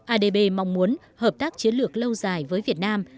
adb mong muốn hợp tác chiến lược lâu dài với việt nam